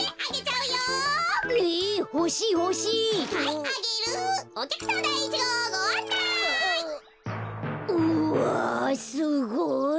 うわすごい。